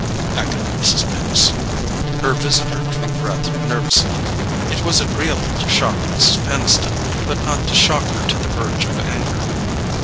echoed Mrs. Peniston. Her visitor drew breath nervously. It was agreeable to shock Mrs. Peniston, but not to shock her to the verge of anger.